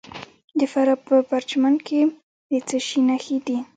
د فراه په پرچمن کې د څه شي نښې دي؟